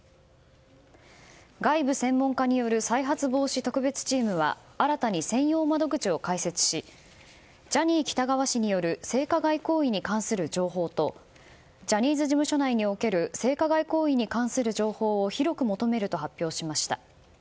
外部専門家による再発防止特別チームは新たに専用窓口を開設しジャニー喜多川氏による性加害行為に関する情報とジャニーズ事務所内における性加害行為に関する情報を広く求めると発表しました。